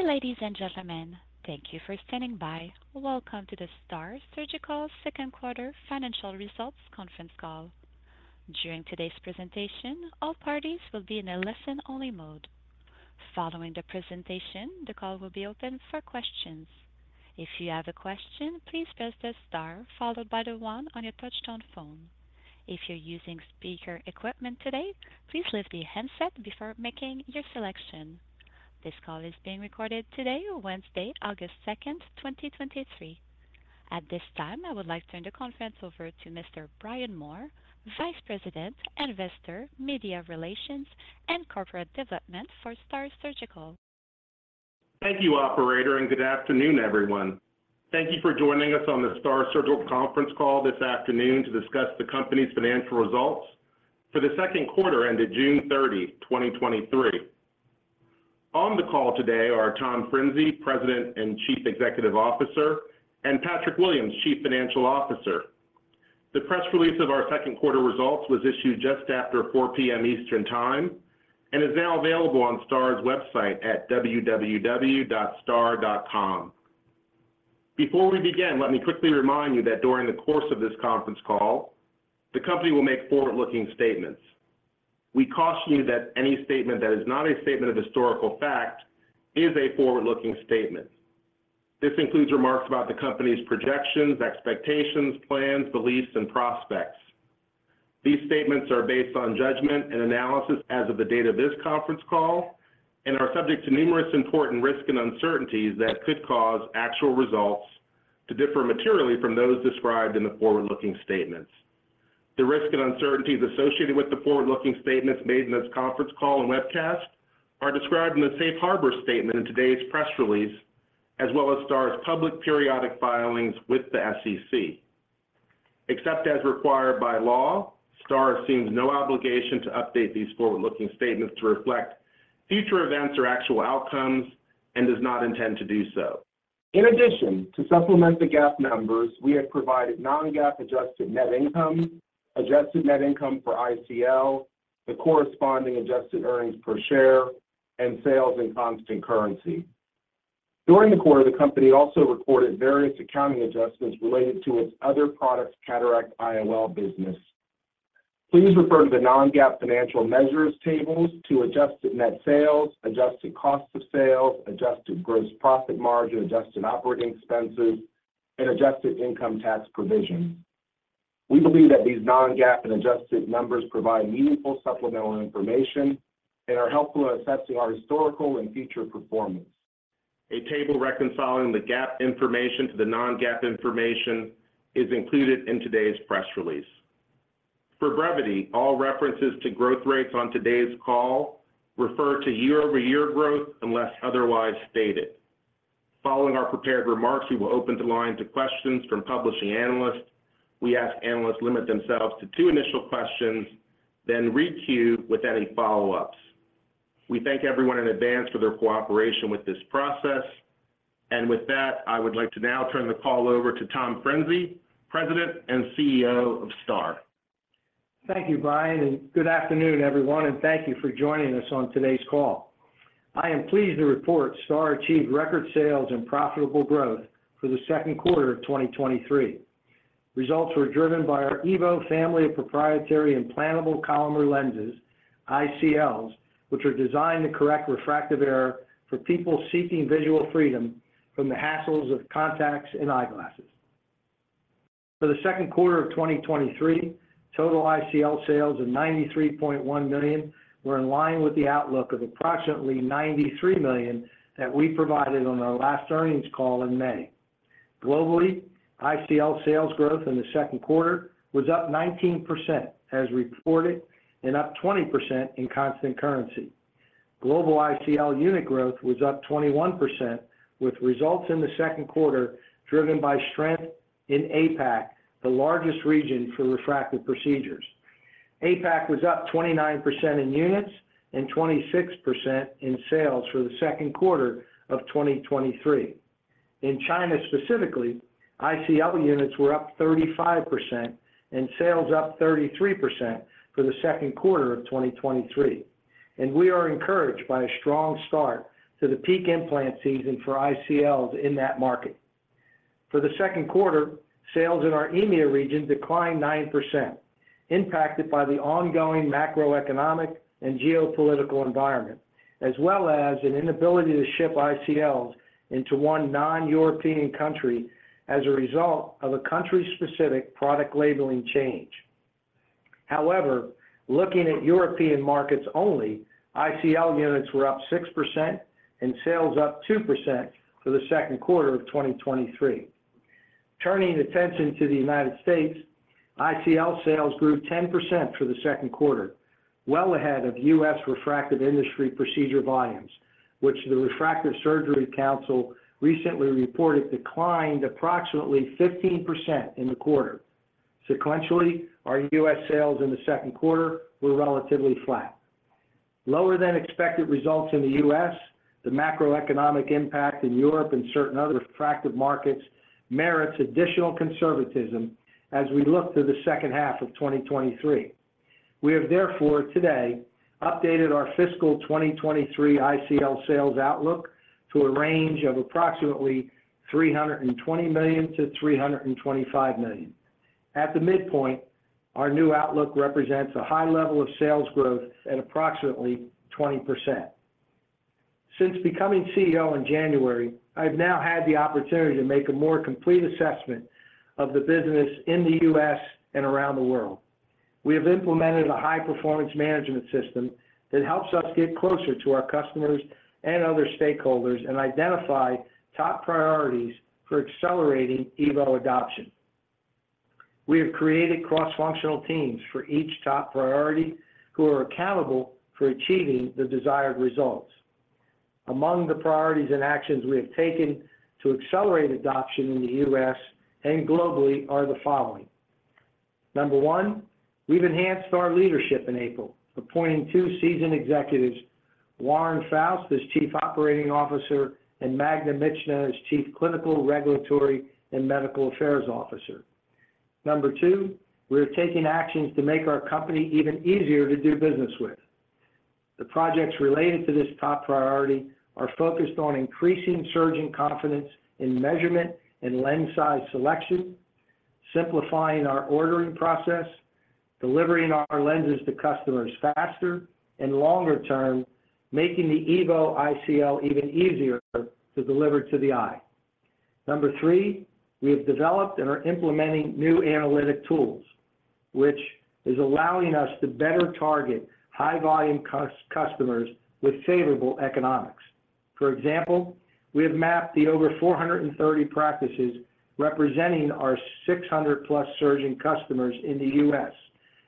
Good day, ladies and gentlemen. Thank you for standing by. Welcome to the STAAR Surgical second quarter financial results conference call. During today's presentation, all parties will be in a listen-only mode. Following the presentation, the call will be opened for questions. If you have a question, please press the star followed by the one on your touchtone phone. If you're using speaker equipment today, please lift your handset before making your selection. This call is being recorded today on Wednesday, August 2nd, 2023. At this time, I would like to turn the conference over to Mr. Brian Moore, Vice President, Investor, Media Relations, and Corporate Development for STAAR Surgical. Thank you, operator, and good afternoon, everyone. Thank you for joining us on the STAAR Surgical conference call this afternoon to discuss the company's financial results for the second quarter ended June 30, 2023. On the call today are Tom Frinzi, President and Chief Executive Officer, and Patrick Williams, Chief Financial Officer. The press release of our second quarter results was issued just after 4:00 P.M. Eastern Time and is now available on STAAR's website at www.staar.com. Before we begin, let me quickly remind you that during the course of this conference call, the company will make forward-looking statements. We caution that any statement that is not a statement of historical fact is a forward-looking statement. This includes remarks about the company's projections, expectations, plans, beliefs, and prospects. These statements are based on judgment and analysis as of the date of this conference call and are subject to numerous important risks and uncertainties that could cause actual results to differ materially from those described in the forward-looking statements. The risks and uncertainties associated with the forward-looking statements made in this conference call and webcast are described in the safe harbor statement in today's press release, as well as STAAR's public periodic filings with the SEC. Except as required by law, STAAR assumes no obligation to update these forward-looking statements to reflect future events or actual outcomes and does not intend to do so. In addition, to supplement the GAAP numbers, we have provided non-GAAP adjusted net income, adjusted net income for ICL, the corresponding adjusted earnings per share, and sales in constant currency. During the quarter, the company also recorded various accounting adjustments related to its other products, cataract IOL business. Please refer to the non-GAAP financial measures tables to adjusted net sales, adjusted cost of sales, adjusted gross profit margin, adjusted operating expenses, and adjusted income tax provision. We believe that these non-GAAP and adjusted numbers provide meaningful supplemental information and are helpful in assessing our historical and future performance. A table reconciling the GAAP information to the non-GAAP information is included in today's press release. For brevity, all references to growth rates on today's call refer to year-over-year growth, unless otherwise stated. Following our prepared remarks, we will open the line to questions from publishing analysts. We ask analysts limit themselves to two initial questions, then re-queue with any follow-ups. We thank everyone in advance for their cooperation with this process. With that, I would like to now turn the call over to Tom Frinzi, President and CEO of STAAR. Thank you, Brian. Good afternoon, everyone, and thank you for joining us on today's call. I am pleased to report STAAR achieved record sales and profitable growth for the second quarter of 2023. Results were driven by our EVO family of proprietary Implantable Collamer Lenses, ICLs, which are designed to correct refractive error for people seeking visual freedom from the hassles of contacts and eyeglasses. For the second quarter of 2023, total ICL sales of $93.1 million were in line with the outlook of approximately $93 million that we provided on our last earnings call in May. Globally, ICL sales growth in the second quarter was up 19%, as reported, and up 20% in constant currency. Global ICL unit growth was up 21%, with results in the second quarter driven by strength in APAC, the largest region for refractive procedures. APAC was up 29% in units and 26% in sales for the second quarter of 2023. In China, specifically, ICL units were up 35% and sales up 33% for the second quarter of 2023. We are encouraged by a strong start to the peak implant season for ICLs in that market. For the second quarter, sales in our EMEA region declined 9%, impacted by the ongoing macroeconomic and geopolitical environment, as well as an inability to ship ICLs into one non-European country as a result of a country-specific product labeling change. However, looking at European markets only, ICL units were up 6% and sales up 2% for the second quarter of 2023. Turning attention to the United States, ICL sales grew 10% for the second quarter, well ahead of U.S. refractive industry procedure volumes, which the Refractive Surgery Council recently reported declined approximately 15% in the quarter. Sequentially, our U.S. sales in the second quarter were relatively flat. Lower than expected results in the U.S., the macroeconomic impact in Europe and certain other refractive markets merits additional conservatism as we look to the second half of 2023. We have therefore today updated our fiscal 2023 ICL sales outlook to a range of approximately $320 million-$325 million. At the midpoint, our new outlook represents a high level of sales growth at approximately 20%. Since becoming CEO in January, I've now had the opportunity to make a more complete assessment of the business in the U.S. and around the world. We have implemented a high-performance management system that helps us get closer to our customers and other stakeholders, and identify top priorities for accelerating EVO adoption. We have created cross-functional teams for each top priority, who are accountable for achieving the desired results. Among the priorities and actions we have taken to accelerate adoption in the U.S. and globally are the following. Number one, we've enhanced our leadership in April, appointing two seasoned executives, Warren Foust as Chief Operating Officer, and Magda Michna as Chief Clinical, Regulatory, and Medical Affairs Officer. Number two, we are taking actions to make our company even easier to do business with. The projects related to this top priority are focused on increasing surgeon confidence in measurement and lens size selection, simplifying our ordering process, delivering our lenses to customers faster, and longer term, making the EVO ICL even easier to deliver to the eye. Number three, we have developed and are implementing new analytic tools, which is allowing us to better target high-volume customers with favorable economics. For example, we have mapped the over 430 practices representing our 600+ surgeon customers in the U.S.,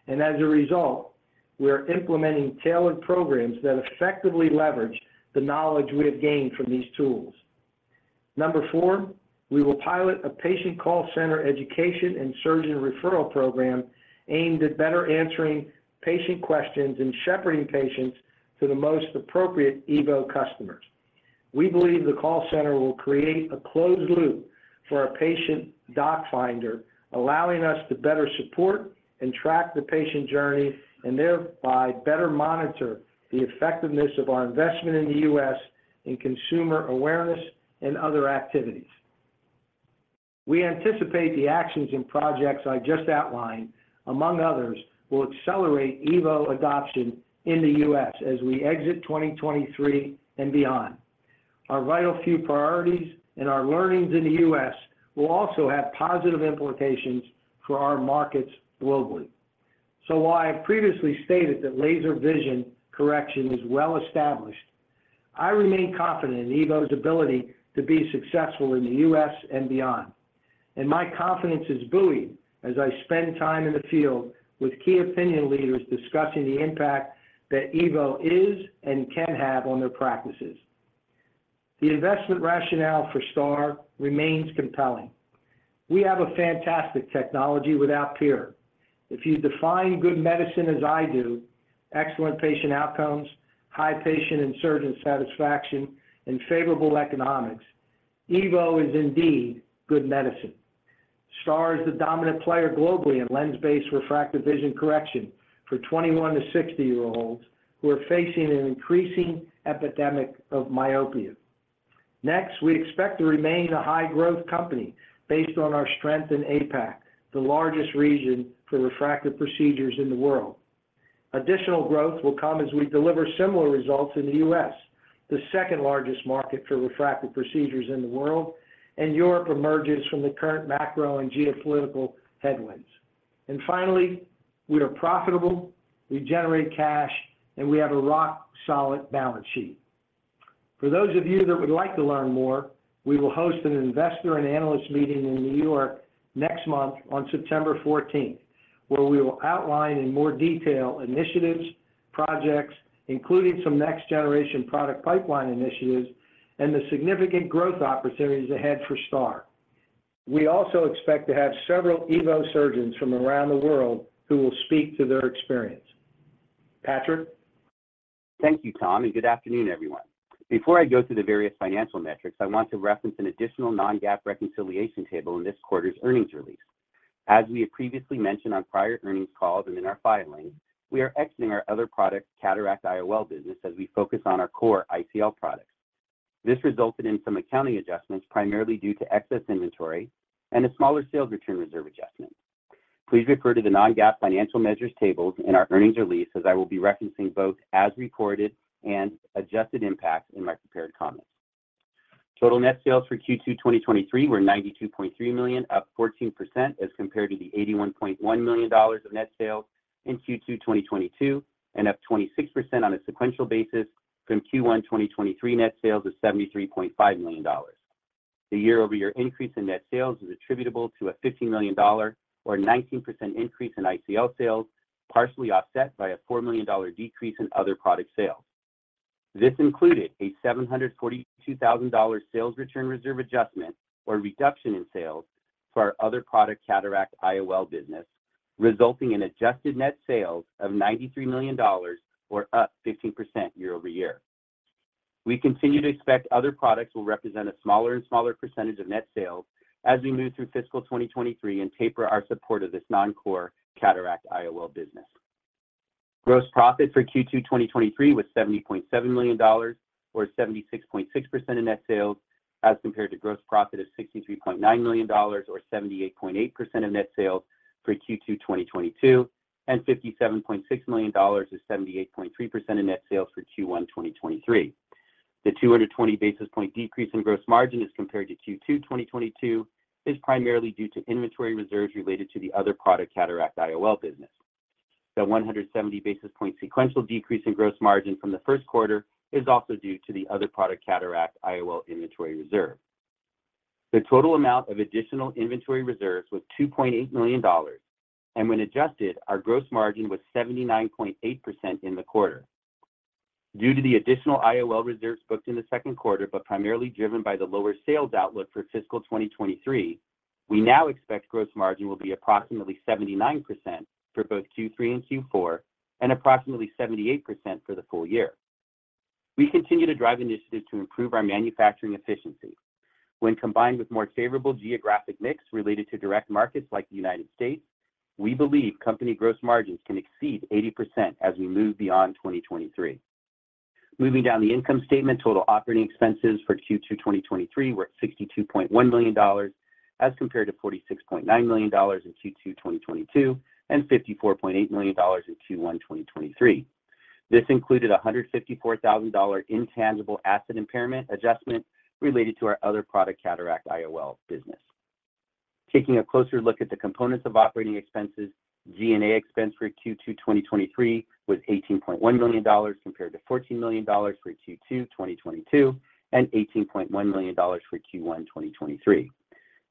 and as a result, we are implementing tailored programs that effectively leverage the knowledge we have gained from these tools. Number four, we will pilot a patient call center education and surgeon referral program aimed at better answering patient questions and shepherding patients to the most appropriate EVO customers. We believe the call center will create a closed loop for our patient doc finder, allowing us to better support and track the patient journey, and thereby better monitor the effectiveness of our investment in the U.S. in consumer awareness and other activities. We anticipate the actions and projects I just outlined, among others, will accelerate EVO adoption in the U.S. as we exit 2023 and beyond. Our vital few priorities and our learnings in the U.S. will also have positive implications for our markets globally. While I have previously stated that laser vision correction is well established, I remain confident in EVO's ability to be successful in the U.S. and beyond. My confidence is buoyed as I spend time in the field with key opinion leaders discussing the impact that EVO is and can have on their practices. The investment rationale for STAAR remains compelling. We have a fantastic technology without peer. If you define good medicine as I do, excellent patient outcomes, high patient and surgeon satisfaction, and favorable economics, EVO is indeed good medicine. STAAR is the dominant player globally in lens-based refractive vision correction for 21 to 60-year-olds who are facing an increasing epidemic of myopia. We expect to remain a high-growth company based on our strength in APAC, the largest region for refractive procedures in the world. Additional growth will come as we deliver similar results in the U.S., the second-largest market for refractive procedures in the world, and Europe emerges from the current macro and geopolitical headwinds. Finally, we are profitable, we generate cash, and we have a rock-solid balance sheet. For those of you that would like to learn more, we will host an investor and analyst meeting in New York next month on September 14th, where we will outline in more detail initiatives, projects, including some next-generation product pipeline initiatives and the significant growth opportunities ahead for STAAR. We also expect to have several EVO surgeons from around the world who will speak to their experience. Patrick? Thank you, Tom, and good afternoon, everyone. Before I go through the various financial metrics, I want to reference an additional non-GAAP reconciliation table in this quarter's earnings release. As we have previously mentioned on prior earnings calls and in our filings, we are exiting our other product, cataract IOL business, as we focus on our core ICL products. This resulted in some accounting adjustments, primarily due to excess inventory and a smaller sales return reserve adjustment. Please refer to the non-GAAP financial measures tables in our earnings release, as I will be referencing both as recorded and adjusted impacts in my prepared comments. Total net sales for Q2 2023 were $92.3 million, up 14% as compared to the $81.1 million of net sales in Q2 2022, and up 26% on a sequential basis from Q1 2023 net sales of $73.5 million. The year-over-year increase in net sales is attributable to a $15 million or 19% increase in ICL sales, partially offset by a $4 million decrease in other product sales. This included a $742,000 sales return reserve adjustment or reduction in sales for our other product, cataract IOL business, resulting in adjusted net sales of $93 million or up 15% year-over-year. We continue to expect other products will represent a smaller and smaller percentage of net sales as we move through fiscal 2023 and taper our support of this non-core cataract IOL business. Gross profit for Q2 2023 was $70.7 million, or 76.6% of net sales, as compared to gross profit of $63.9 million, or 78.8% of net sales for Q2 2022, and $57.6 million is 78.3% of net sales for Q1 2023. The 220 basis point decrease in gross margin as compared to Q2 2022 is primarily due to inventory reserves related to the other product, cataract IOL business. The 170 basis point sequential decrease in gross margin from the first quarter is also due to the other product, cataract IOL inventory reserve. The total amount of additional inventory reserves was $2.8 million. When adjusted, our gross margin was 79.8% in the quarter. Due to the additional IOL reserves booked in the second quarter, primarily driven by the lower sales outlook for fiscal 2023, we now expect gross margin will be approximately 79% for both Q3 and Q4, and approximately 78% for the full year. We continue to drive initiatives to improve our manufacturing efficiency. When combined with more favorable geographic mix related to direct markets like the United States, we believe company gross margins can exceed 80% as we move beyond 2023. Moving down the income statement, total operating expenses for Q2 2023 were $62.1 million, as compared to $46.9 million in Q2 2022, and $54.8 million in Q1 2023. This included a $154,000 intangible asset impairment adjustment related to our other product, cataract IOL business. Taking a closer look at the components of operating expenses, G&A expense for Q2 2023 was $18.1 million, compared to $14 million for Q2 2022, and $18.1 million for Q1 2023.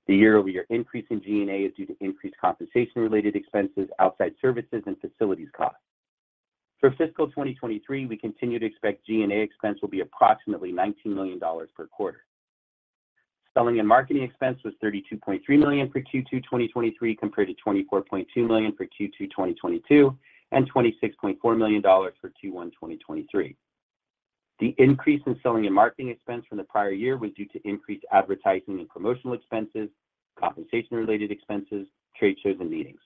The year-over-year increase in G&A is due to increased compensation-related expenses, outside services, and facilities costs. For fiscal 2023, we continue to expect G&A expense will be approximately $19 million per quarter. Selling and marketing expense was $32.3 million for Q2 2023, compared to $24.2 million for Q2 2022, and $26.4 million for Q1 2023. The increase in selling and marketing expense from the prior year was due to increased advertising and promotional expenses, compensation-related expenses, trade shows, and meetings.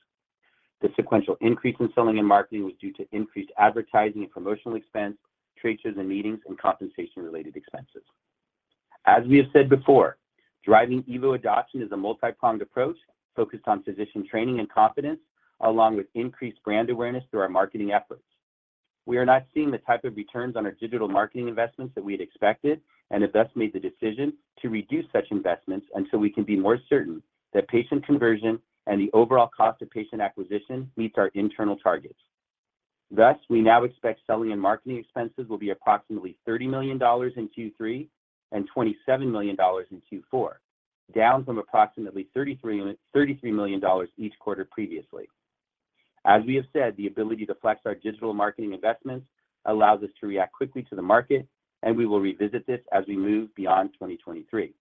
The sequential increase in selling and marketing was due to increased advertising and promotional expense, trade shows and meetings, and compensation-related expenses. As we have said before, driving EVO adoption is a multi-pronged approach focused on physician training and confidence, along with increased brand awareness through our marketing efforts. We are not seeing the type of returns on our digital marketing investments that we had expected and have thus made the decision to reduce such investments until we can be more certain that patient conversion and the overall cost of patient acquisition meets our internal targets. Thus, we now expect selling and marketing expenses will be approximately $30 million in Q3 and $27 million in Q4, down from approximately $33 million each quarter previously. As we have said, the ability to flex our digital marketing investments allows us to react quickly to the market. We will revisit this as we move beyond 2023.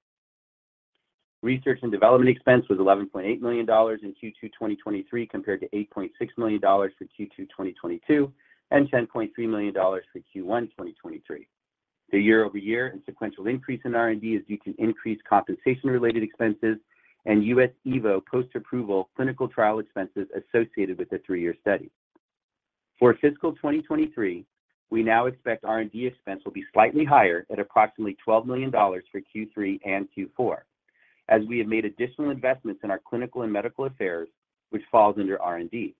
Research and development expense was $11.8 million in Q2 2023, compared to $8.6 million for Q2 2022, and $10.3 million for Q1 2023. The year-over-year and sequential increase in R&D is due to increased compensation-related expenses and U.S. EVO post-approval clinical trial expenses associated with the three-year study. For fiscal 2023, we now expect R&D expense will be slightly higher at approximately $12 million for Q3 and Q4, as we have made additional investments in our clinical and medical affairs, which falls under R&D,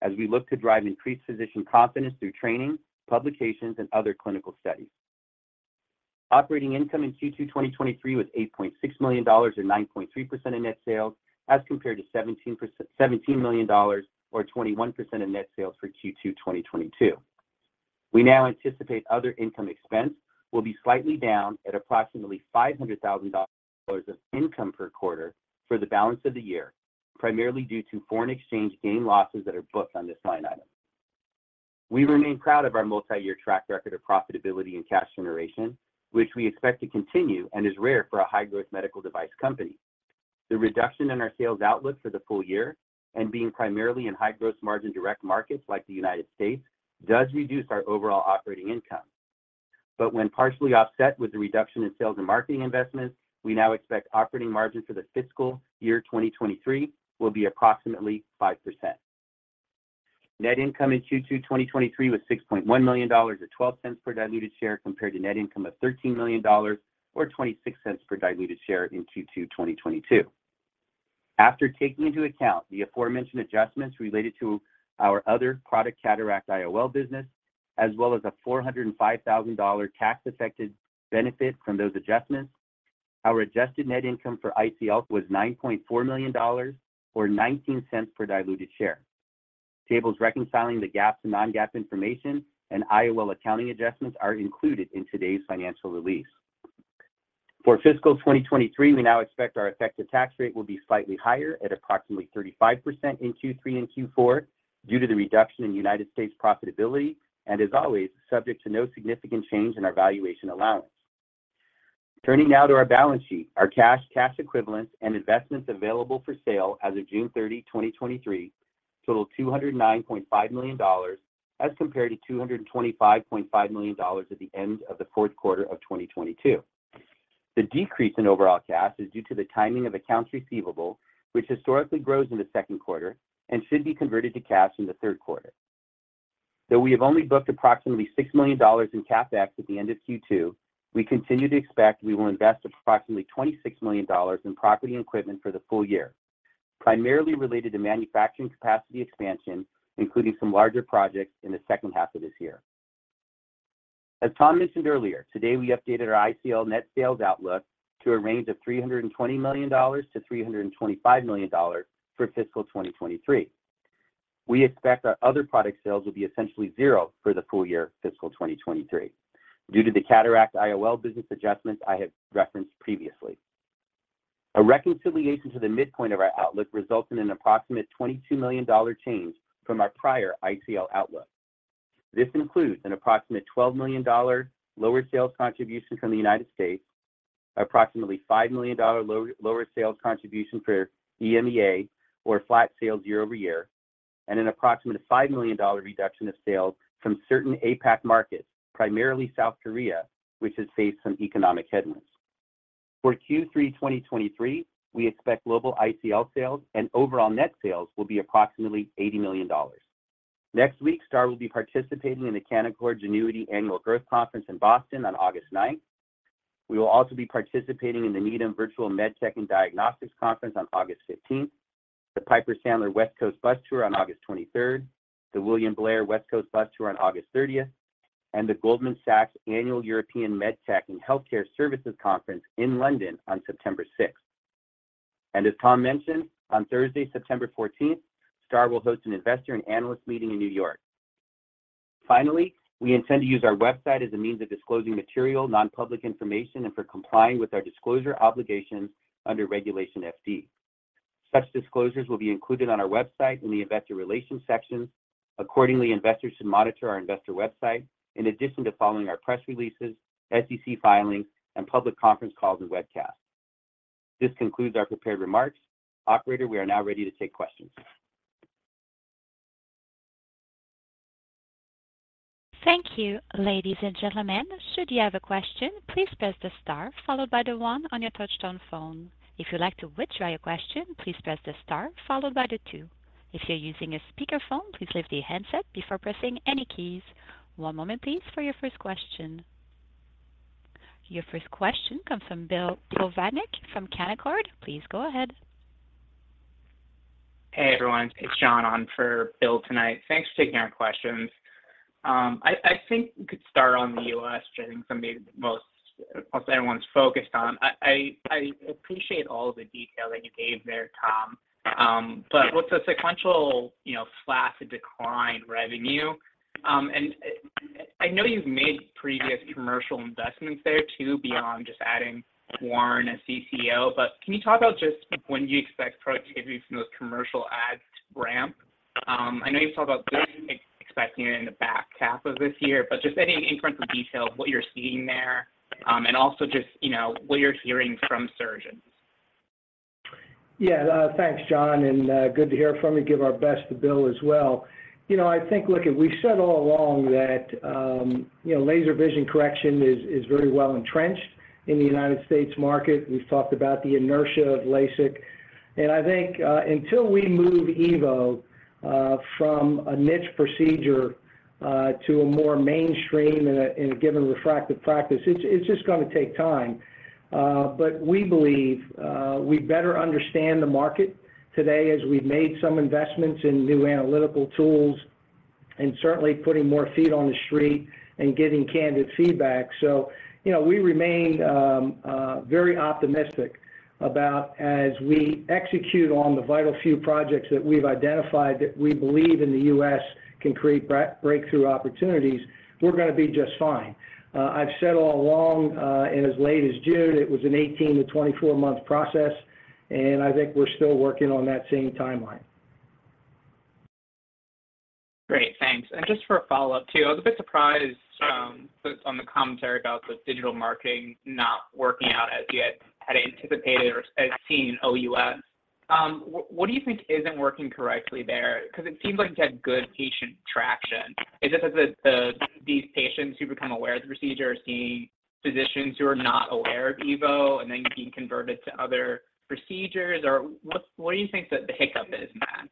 as we look to drive increased physician confidence through training, publications, and other clinical studies. Operating income in Q2 2023 was $8.6 million or 9.3% of net sales, as compared to $17 million or 21% of net sales for Q2 2022. We now anticipate other income expense will be slightly down at approximately $500,000 of income per quarter for the balance of the year, primarily due to foreign exchange gain losses that are booked on this line item. We remain proud of our multi-year track record of profitability and cash generation, which we expect to continue and is rare for a high-growth medical device company. The reduction in our sales outlook for the full year and being primarily in high gross margin direct markets like the United States, does reduce our overall operating income. When partially offset with the reduction in sales and marketing investments, we now expect operating margin for the fiscal year 2023 will be approximately 5%. Net income in Q2 2023 was $6.1 million, or $0.12 per diluted share, compared to net income of $13 million or $0.26 per diluted share in Q2 2022. After taking into account the aforementioned adjustments related to our other product, cataract IOL business, as well as a $405,000 tax-affected benefit from those adjustments, our adjusted net income for ICL was $9.4 million, or $0.19 per diluted share. Tables reconciling the GAAP to non-GAAP information and IOL accounting adjustments are included in today's financial release. For fiscal 2023, we now expect our effective tax rate will be slightly higher at approximately 35% in Q3 and Q4 due to the reduction in United States profitability, and as always, subject to no significant change in our valuation allowance. Turning now to our balance sheet. Our cash, cash equivalents, and investments available for sale as of June 30, 2023, totaled $209.5 million, as compared to $225.5 million at the end of the fourth quarter of 2022. The decrease in overall cash is due to the timing of accounts receivable, which historically grows in the second quarter and should be converted to cash in the third quarter. Though we have only booked approximately $6 million in CapEx at the end of Q2, we continue to expect we will invest approximately $26 million in property and equipment for the full year, primarily related to manufacturing capacity expansion, including some larger projects in the second half of this year. As Tom mentioned earlier, today, we updated our ICL net sales outlook to a range of $320 million-$325 million for fiscal 2023. We expect our other product sales will be essentially 0 for the full year fiscal 2023, due to the cataract IOL business adjustments I have referenced previously. A reconciliation to the midpoint of our outlook results in an approximate $22 million change from our prior ICL outlook. This includes an approximate $12 million lower sales contribution from the United States, approximately $5 million lower sales contribution for EMEA, or flat sales year-over-year, and an approximate $5 million reduction of sales from certain APAC markets, primarily South Korea, which has faced some economic headwinds. For Q3 2023, we expect global ICL sales and overall net sales will be approximately $80 million. Next week, STAAR will be participating in the Canaccord Genuity Annual Growth Conference in Boston on August 9th. We will also be participating in the Needham Virtual MedTech and Diagnostics Conference on August 15th, the Piper Sandler West Coast Bus Tour on August 23rd, the William Blair West Coast Bus Tour on August 30th, and the Goldman Sachs Annual European MedTech and Healthcare Services Conference in London on September 6th. As Tom mentioned, on Thursday, September 14th, STAAR will host an investor and analyst meeting in New York. Finally, we intend to use our website as a means of disclosing material, non-public information, and for complying with our disclosure obligations under Regulation FD. Such disclosures will be included on our website in the Investor Relations section. Accordingly, investors should monitor our investor website in addition to following our press releases, SEC filings, and public conference calls and webcasts. This concludes our prepared remarks. Operator, we are now ready to take questions. Thank you. Ladies and gentlemen, should you have a question, please press the star followed by the one on your touch-tone phone. If you'd like to withdraw your question, please press the star followed by the two. If you're using a speakerphone, please lift the handset before pressing any keys. One moment, please, for your first question. Your first question comes from Bill Plovanic from Canaccord. Please go ahead. Hey, everyone, it's Jon on for Bill tonight. Thanks for taking our questions. I think we could start on the U.S., which I think somebody most, most everyone's focused on. I appreciate all the detail that you gave there, Tom. What's a sequential, you know, flash of decline in revenue? I, I know you've made previous commercial investments there, too, beyond just adding Warren as CCO, but can you talk about just when do you expect productivity from those commercial ads to ramp? I know you talked about expecting it in the back half of this year, just any incremental detail of what you're seeing there, also just, you know, what you're hearing from surgeons. Yeah, thanks, Jon, and good to hear from you. Give our best to Bill as well. You know, I think, look, we've said all along that, you know, laser vision correction is, is very well entrenched in the United States market. We've talked about the inertia of LASIK, I think, until we move EVO from a niche procedure to a more mainstream in a given refractive practice, it's just gonna take time. We believe we better understand the market today as we've made some investments in new analytical tools and certainly putting more feet on the street and getting candid feedback. you know, we remain very optimistic about as we execute on the vital few projects that we've identified, that we believe in the U.S. can create breakthrough opportunities, we're gonna be just fine. I've said all along, and as late as June, it was an 18-24-month process, and I think we're still working on that same timeline. Great. Thanks. Just for a follow-up, too, I was a bit surprised, so on the commentary about the digital marketing not working out as you had anticipated or had seen in OUS. What, what do you think isn't working correctly there? Because it seems like you had good patient traction. Is this that the, the, these patients who become aware of the procedure are seeing physicians who are not aware of EVO and then being converted to other procedures? Or what, what do you think the, the hiccup is in that?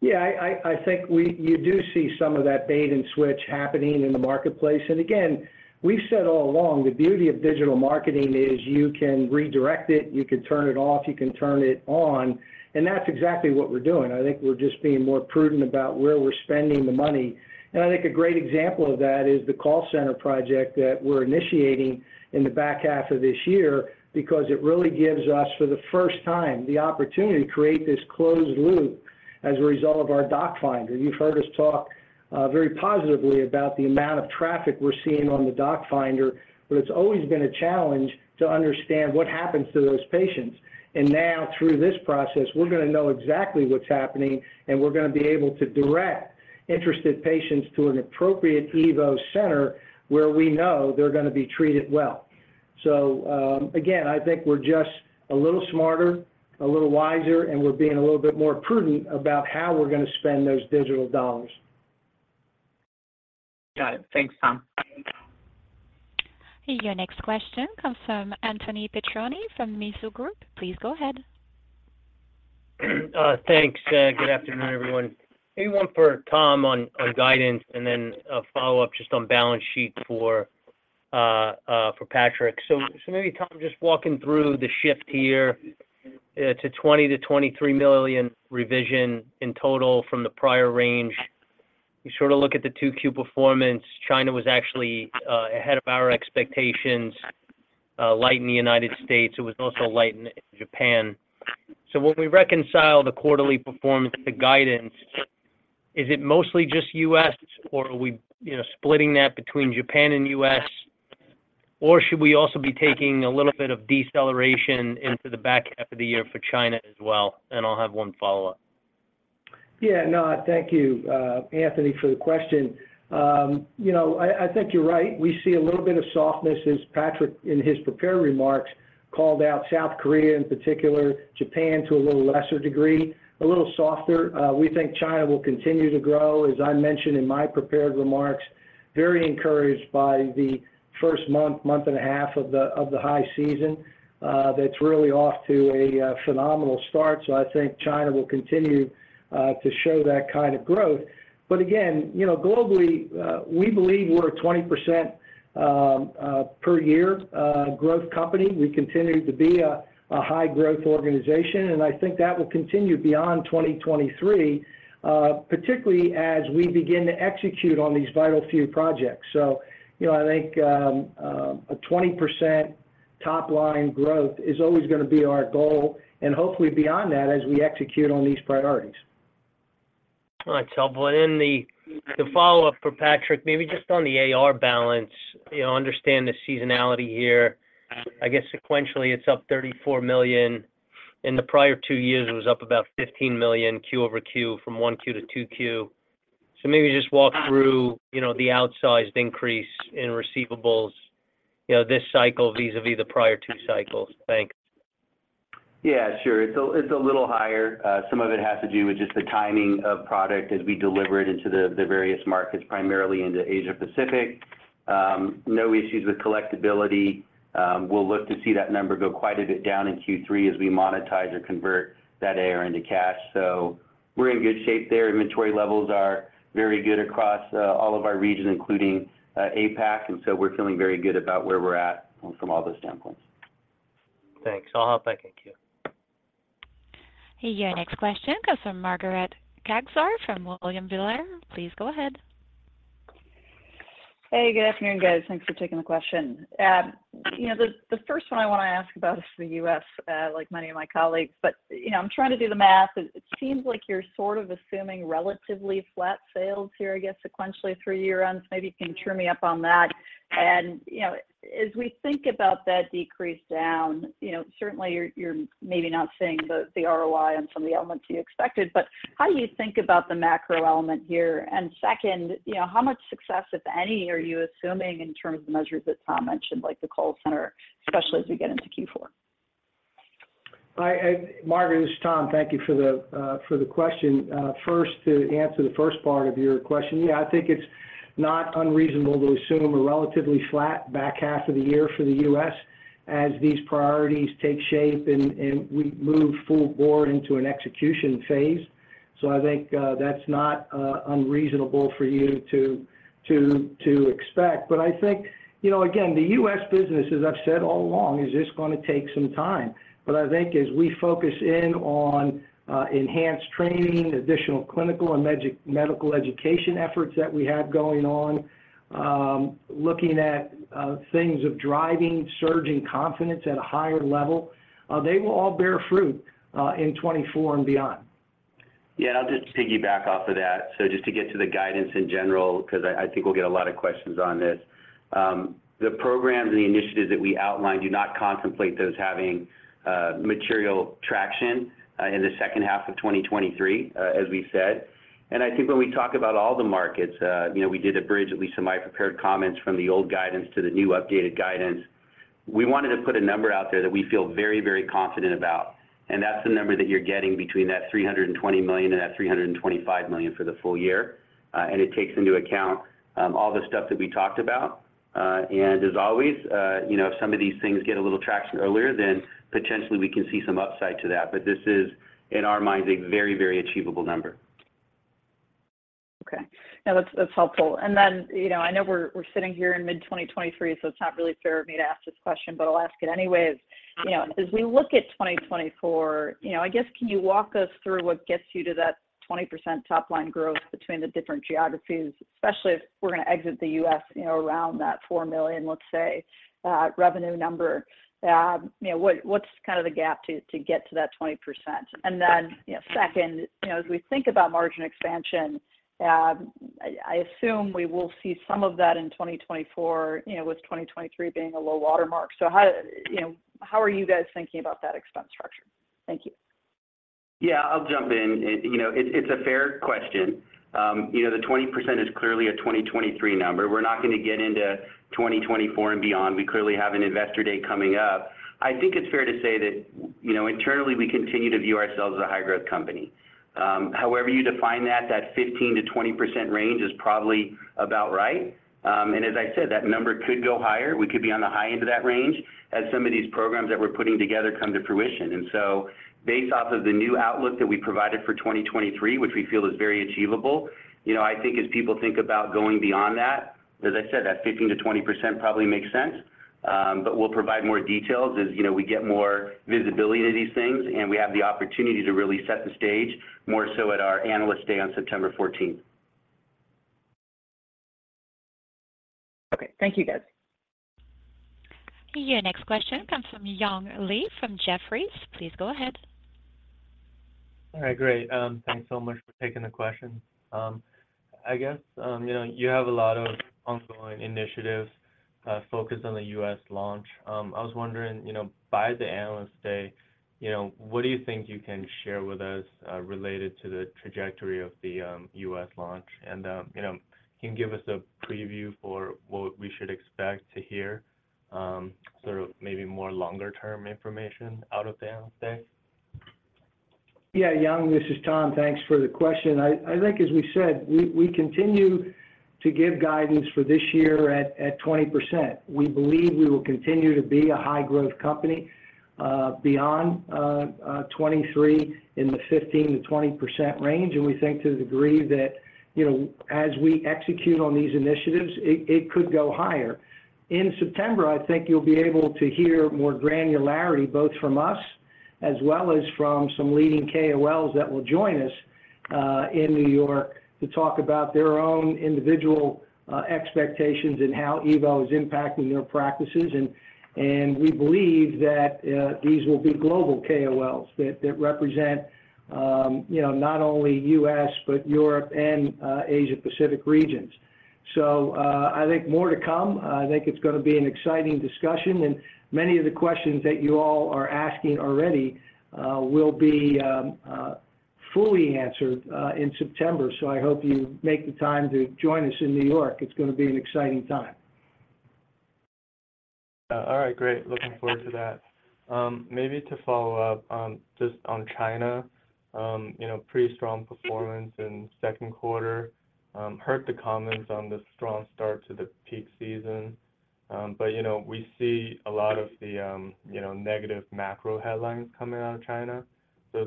Yeah, I think you do see some of that bait and switch happening in the marketplace. Again, we've said all along, the beauty of digital marketing is you can redirect it, you can turn it off, you can turn it on, and that's exactly what we're doing. I think we're just being more prudent about where we're spending the money. I think a great example of that is the call center project that we're initiating in the back half of this year, because it really gives us, for the first time, the opportunity to create this closed loop as a result of our DocFinder. You've heard us talk very positively about the amount of traffic we're seeing on the DocFinder, but it's always been a challenge to understand what happens to those patients. Now, through this process, we're gonna know exactly what's happening, and we're gonna be able to direct interested patients to an appropriate EVO center where we know they're gonna be treated well. Again, I think we're just a little smarter, a little wiser, and we're being a little bit more prudent about how we're gonna spend those digital dollars. Got it. Thanks, Tom. Your next question comes from Anthony Petrone from Mizuho Group. Please go ahead. Thanks, good afternoon, everyone. Maybe one for Tom on guidance, and then a follow-up just on balance sheet for Patrick. Maybe Tom, just walking through the shift here to $20 million-$23 million revision in total from the prior range. You sort of look at the 2Q performance, China was actually ahead of our expectations, light in the United States. It was also light in Japan. When we reconcile the quarterly performance, the guidance, is it mostly just U.S. or are we, you know, splitting that between Japan and U.S.? Or should we also be taking a little bit of deceleration into the back half of the year for China as well? I'll have one follow-up. Yeah, no, thank you, Anthony, for the question. You know, I, I think you're right. We see a little bit of softness as Patrick, in his prepared remarks, called out South Korea, in particular, Japan, to a little lesser degree, a little softer. We think China will continue to grow, as I mentioned in my prepared remarks, very encouraged by the first month, month and a half of the, of the high season. That's really off to a phenomenal start. I think China will continue to show that kind of growth. Again, you know, globally, we believe we're a 20% per year growth company. We continue to be a high growth organization, and I think that will continue beyond 2023, particularly as we begin to execute on these vital few projects. You know, I think, a 20% top line growth is always gonna be our goal, and hopefully beyond that, as we execute on these priorities. All right, Tom. Well, the follow-up for Patrick, maybe just on the AR balance, you know, understand the seasonality here. I guess sequentially, it's up $34 million. In the prior two years, it was up about $15 million Q-over-Q from 1Q to 2Q. Maybe just walk through, you know, the outsized increase in receivables, you know, this cycle vis-a-vis the prior two cycles. Thanks. Yeah, sure. It's a little higher. Some of it has to do with just the timing of product as we deliver it into the various markets, primarily into Asia Pacific. No issues with collectibility. We'll look to see that number go quite a bit down in Q3 as we monetize or convert that AR into cash. We're in good shape there. Inventory levels are very good across all of our regions, including APAC, we're feeling very good about where we're at from all those standpoints. Thanks. I'll hop back in queue. Hey, your next question comes from Margaret Kaczor from William Blair. Please go ahead. Hey, good afternoon, guys. Thanks for taking the question. You know, the first one I wanna ask about is the U.S., like many of my colleagues, but, you know, I'm trying to do the math. It seems like you're sort of assuming relatively flat sales here, I guess, sequentially through year-ends. Maybe you can cheer me up on that. You know, as we think about that decrease down, you know, certainly you're maybe not seeing the ROI on some of the elements you expected, but how do you think about the macro element here? Second, you know, how much success, if any, are you assuming in terms of the measures that Tom mentioned, like the call center, especially as we get into Q4? Hi, Margaret, this is Tom. Thank you for the, for the question. First, to answer the first part of your question, yeah, I think it's not unreasonable to assume a relatively flat back half of the year for the U.S. as these priorities take shape and, and we move full board into an execution phase. I think that's not unreasonable for you to expect. I think, you know, again, the U.S. business, as I've said all along, is just gonna take some time. I think as we focus in on enhanced training, additional clinical and medical education efforts that we have going on, looking at things of driving, surging confidence at a higher level, they will all bear fruit in 2024 and beyond. Yeah, I'll just piggyback off of that. Just to get to the guidance in general, because I think we'll get a lot of questions on this. The programs and the initiatives that we outlined do not contemplate those having material traction in the second half of 2023, as we said. I think when we talk about all the markets, you know, we did a bridge, at least in my prepared comments from the old guidance to the new updated guidance. We wanted to put a number out there that we feel very, very confident about, and that's the number that you're getting between that $320 million and that $325 million for the full year. It takes into account all the stuff that we talked about. As always, you know, if some of these things get a little traction earlier, then potentially we can see some upside to that. This is, in our minds, a very, very achievable number. Okay. Now, that's, that's helpful. Then, you know, I know we're, we're sitting here in mid-2023, so it's not really fair of me to ask this question, but I'll ask it anyways. You know, as we look at 2024, you know, I guess, can you walk us through what gets you to that 20% top line growth between the different geographies, especially if we're gonna exit the U.S., you know, around that $4 million, let's say, revenue number? You know, what, what's kind of the gap to, to get to that 20%? Then, you know, second, you know, as we think about margin expansion, I assume we will see some of that in 2024, you know, with 2023 being a low water mark. How, you know, how are you guys thinking about that expense structure? Thank you. Yeah, I'll jump in. You know, it's, it's a fair question. You know, the 20% is clearly a 2023 number. We're not going to get into 2024 and beyond. We clearly have an investor day coming up. I think it's fair to say that, you know, internally, we continue to view ourselves as a high-growth company. However you define that, that 15%-20% range is probably about right. As I said, that number could go higher. We could be on the high end of that range as some of these programs that we're putting together come to fruition. Based off of the new outlook that we provided for 2023, which we feel is very achievable, you know, I think as people think about going beyond that, as I said, that 15%-20% probably makes sense. We'll provide more details as, you know, we get more visibility to these things, and we have the opportunity to really set the stage more so at our Analyst Day on September 14th. Okay, thank you, guys. Your next question comes from Young Li from Jefferies. Please go ahead. All right. Great. Thanks so much for taking the question. I guess, you know, you have a lot of ongoing initiatives, focused on the U.S. launch. I was wondering, you know, by the Analyst Day, you know, what do you think you can share with us, related to the trajectory of the U.S. launch? And, you know, can you give us a preview for what we should expect to hear, sort of maybe more longer-term information out of the Analyst Day? Yeah, Young, this is Tom. Thanks for the question. I, I think, as we said, we, we continue to give guidance for this year at, at 20%. We believe we will continue to be a high-growth company beyond 2023 in the 15%-20% range. We think to the degree that, you know, as we execute on these initiatives, it, it could go higher. In September, I think you'll be able to hear more granularity, both from us as well as from some leading KOLs that will join us in New York, to talk about their own individual expectations and how EVO is impacting their practices. We believe that these will be global KOLs that represent, you know, not only U.S., but Europe and Asia Pacific regions. I think more to come. I think it's going to be an exciting discussion, and many of the questions that you all are asking already, will be, fully answered, in September. I hope you make the time to join us in New York. It's going to be an exciting time. All right, great. Looking forward to that. Maybe to follow up on, just on China, you know, pretty strong performance in second quarter. Heard the comments on the strong start to the peak season. You know, we see a lot of the, you know, negative macro headlines coming out of China.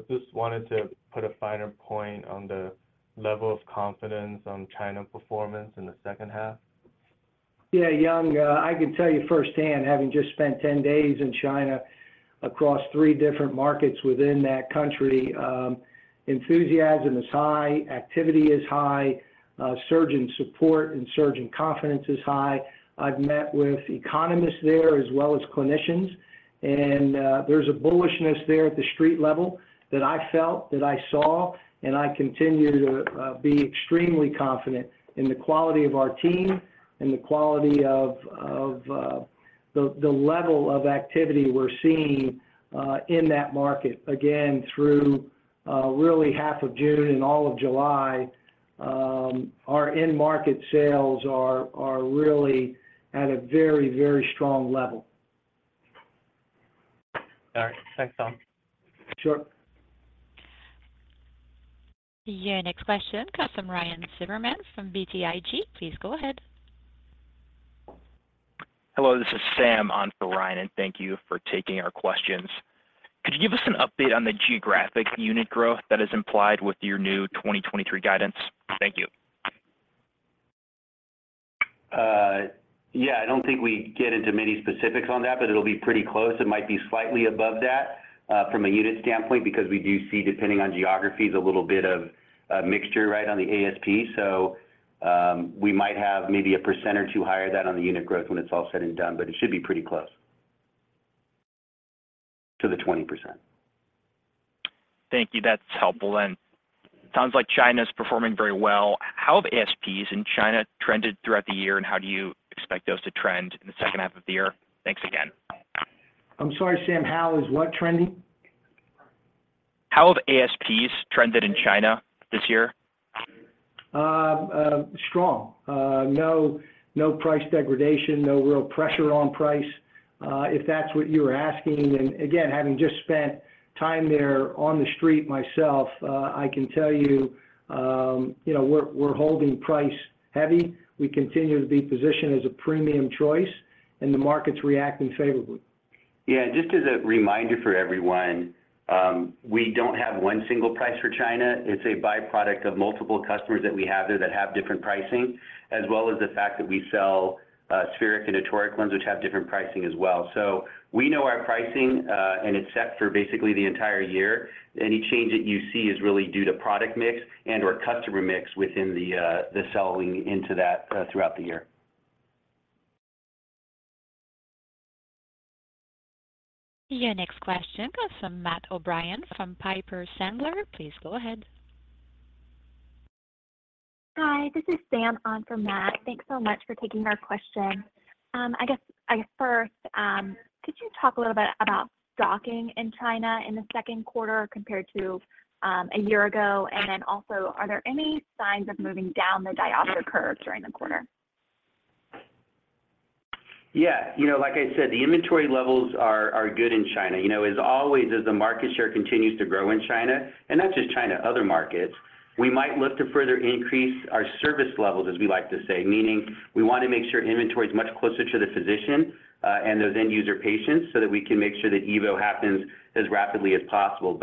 Just wanted to put a finer point on the level of confidence on China performance in the second half. Yeah, Young, I can tell you firsthand, having just spent 10 days in China across three different markets within that country, enthusiasm is high, activity is high, surgeon support and surgeon confidence is high. I've met with economists there as well as clinicians, and there's a bullishness there at the street level that I felt, that I saw. And I continue to be extremely confident in the quality of our team and the quality of, of the level of activity we're seeing in that market. Again, through really half of June and all of July, our end market sales are, are really at a very, very strong level. All right. Thanks, Tom. Sure. Your next question comes from Ryan Zimmerman from BTIG. Please go ahead. Hello, this is Sam on for Ryan, and thank you for taking our questions. Could you give us an update on the geographic unit growth that is implied with your new 2023 guidance? Thank you. Yeah, I don't think we'd get into many specifics on that, but it'll be pretty close. It might be slightly above that, from a unit standpoint, because we do see, depending on geographies, a little bit of a mixture right on the ASP. We might have maybe 1% or 2% higher than on the unit growth when it's all said and done, but it should be pretty close to the 20%. Thank you. That's helpful, and sounds like China's performing very well. How have ASPs in China trended throughout the year, and how do you expect those to trend in the second half of the year? Thanks again. I'm sorry, Sam. How is what trending? How have ASPs trended in China this year? Strong. No, no price degradation, no real pressure on price, if that's what you're asking. And again, having just spent time there on the street myself, I can tell you, you know, we're, we're holding price heavy. We continue to be positioned as a premium choice, and the market's reacting favorably. Just as a reminder for everyone, we don't have one single price for China. It's a byproduct of multiple customers that we have there that have different pricing, as well as the fact that we sell spheric and toric lenses, which have different pricing as well. We know our pricing, and it's set for basically the entire year. Any change that you see is really due to product mix and/or customer mix within the the selling into that throughout the year. Your next question comes from Matt O'Brien from Piper Sandler. Please go ahead. Hi, this is Sam on for Matt. Thanks so much for taking our question. I guess first, could you talk a little bit about stocking in China in the second quarter compared to a year ago? Also, are there any signs of moving down the diopter curve during the quarter? Yeah, you know, like I said, the inventory levels are, are good in China. You know, as always, as the market share continues to grow in China, and not just China, other markets, we might look to further increase our service levels, as we like to say. Meaning, we want to make sure inventory is much closer to the physician, and those end user patients, so that we can make sure that EVO happens as rapidly as possible.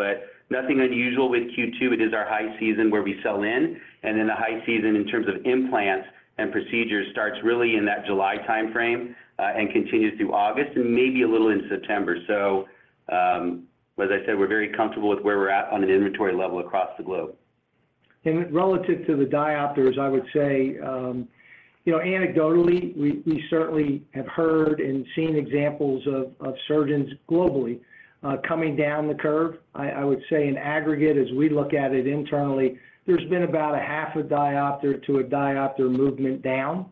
Nothing unusual with Q2, it is our high season where we sell in, and then the high season in terms of implants and procedures starts really in that July timeframe, and continues through August and maybe a little in September. As I said, we're very comfortable with where we're at on an inventory level across the globe. Relative to the diopters, I would say, you know, anecdotally, we, we certainly have heard and seen examples of, of surgeons globally, coming down the curve. I, I would say in aggregate, as we look at it internally, there's been about a half a diopter to a diopter movement down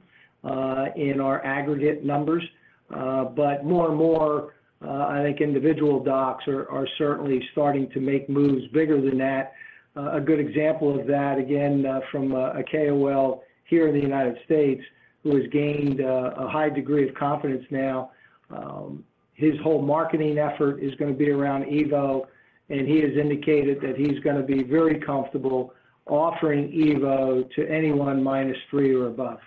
in our aggregate numbers. But more and more, I think individual docs are, are certainly starting to make moves bigger than that. A good example of that, again, from a KOL here in the United States, who has gained a high degree of confidence now, his whole marketing effort is gonna be around EVO, and he has indicated that he's gonna be very comfortable offering EVO to anyone -3 or above.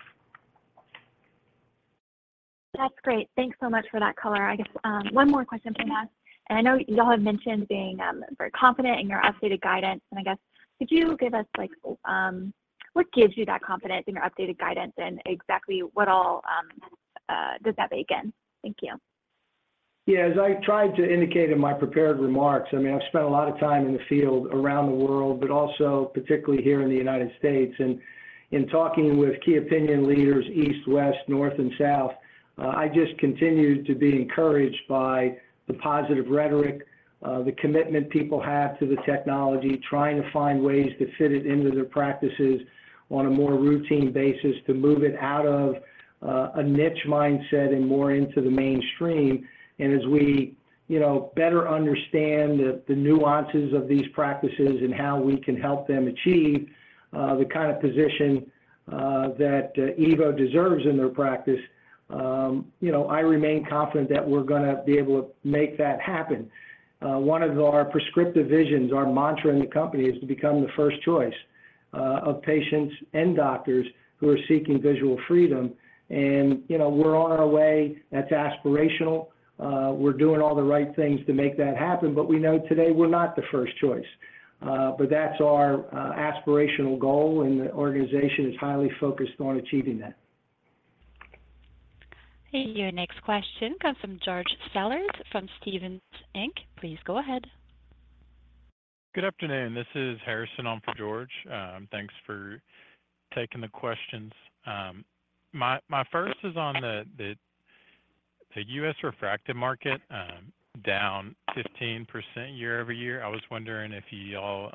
That's great. Thanks so much for that color. I guess, one more question from us, and I know y'all have mentioned being very confident in your updated guidance, and I guess could you give us, like, what gives you that confidence in your updated guidance, and exactly what all does that weigh in? Thank you. Yeah, as I tried to indicate in my prepared remarks, I mean, I've spent a lot of time in the field around the world, but also particularly here in the United States. In talking with key opinion leaders, east, west, north, and south, I just continue to be encouraged by the positive rhetoric, the commitment people have to the technology, trying to find ways to fit it into their practices on a more routine basis, to move it out of a niche mindset and more into the mainstream. As we, you know, better understand the, the nuances of these practices and how we can help them achieve, the kind of position, that, EVO deserves in their practice, you know, I remain confident that we're gonna be able to make that happen. One of our prescriptive visions, our mantra in the company, is to become the first choice of patients and doctors who are seeking visual freedom. You know, we're on our way. That's aspirational, we're doing all the right things to make that happen, but we know today we're not the first choice. But that's our aspirational goal, and the organization is highly focused on achieving that. Your next question comes from George Sellers, from Stephens Inc. Please go ahead. Good afternoon. This is Harrison on for George. Thanks for taking the questions. My, my first is on the, the, the U.S. refractive market, down 15% year-over-year. I was wondering if y'all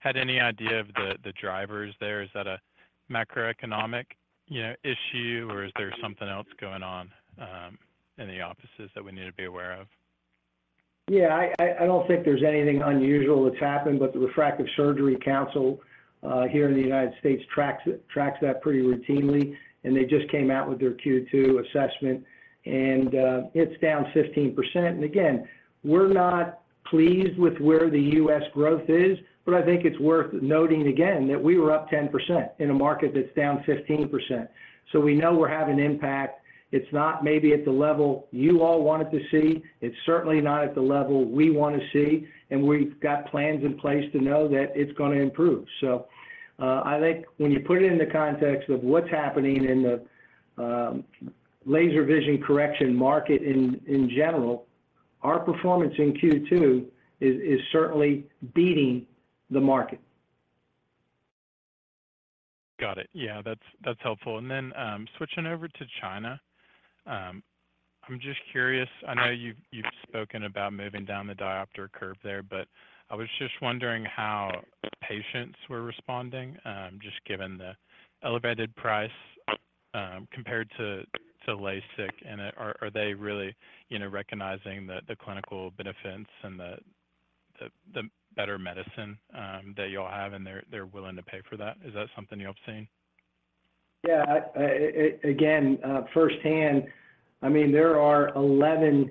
had any idea of the, the drivers there. Is that a macroeconomic, you know, issue, or is there something else going on in the offices that we need to be aware of? Yeah, I don't think there's anything unusual that's happened, but the Refractive Surgery Council here in the United States tracks that pretty routinely, and they just came out with their Q2 assessment, and it's down 15%. Again, we're not pleased with where the U.S. growth is, but I think it's worth noting again, that we were up 10% in a market that's down 15%. We know we're having impact. It's not maybe at the level you all wanted to see. It's certainly not at the level we want to see, and we've got plans in place to know that it's gonna improve. I think when you put it in the context of what's happening in the laser vision correction market in general, our performance in Q2 is certainly beating the market. Got it. Yeah, that's, that's helpful. Switching over to China, I'm just curious, I know you've, you've spoken about moving down the diopter curve there, but I was just wondering how patients were responding, just given the elevated price, compared to, to LASIK. Are, are they really, you know, recognizing the, the clinical benefits and the, the, the better medicine, that y'all have, and they're, they're willing to pay for that? Is that something you have seen? Yeah, I, again, firsthand, I mean, there are 11